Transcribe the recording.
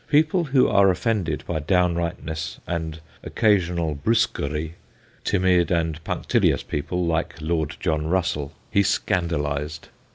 People who are offended by down rightness and occasional brusquerie timid and punctilious people like Lord John Russell he scandalised.